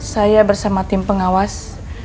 saya bersama tim pengawas